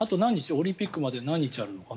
オリンピックまで何日あるのかな。